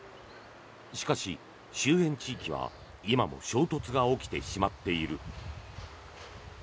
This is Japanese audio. しかし、周辺地域は今も衝突が起きてしまっている。